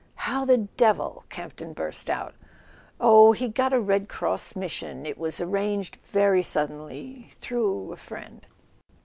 "How the devil ?" Campton burst out. "Oh, he got a Red Cross mission; it was arranged very suddenly—through a friend.